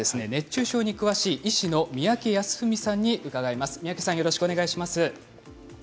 ここから熱中症に詳しい医師の三宅康史さんに伺います。